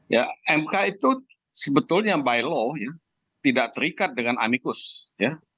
ya mk itu sebetulnya by law ya tidak terikat dengan amikus ya